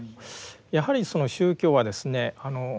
やはり宗教はですね